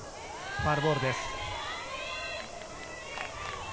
ファウルボールです。